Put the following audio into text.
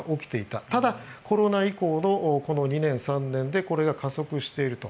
ただ、コロナ以降のこの２年、３年でこれが加速していると。